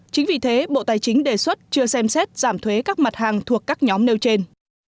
chính vì thế bộ tài chính đề xuất chưa xem xét giảm thuế các mặt hàng thuộc các nhóm nêu trên